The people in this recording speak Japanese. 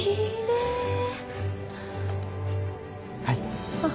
はい。